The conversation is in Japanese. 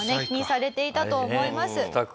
気にされていたと思います。